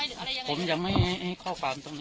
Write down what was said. เนี๊ยะพ่อทำจริงไหมคะตามคิดนะคะ